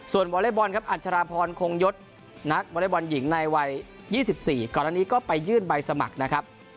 วอเล็กบอลครับอัชราพรคงยศนักวอเล็กบอลหญิงในวัย๒๔ก่อนอันนี้ก็ไปยื่นใบสมัครนะครับ